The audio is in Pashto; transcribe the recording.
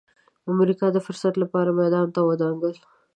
امریکا د فرصت لپاره میدان ته ودانګل.